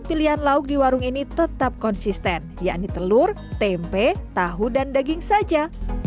pilihan lauk di warung ini tetap konsisten yakni telur tempe tahu dan daging saja